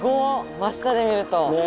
真下で見ると。ね！